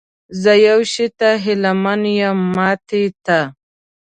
زه یو شي ته هیله من یم، ماتې ته؟